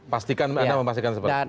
pastikan anda memastikan seperti itu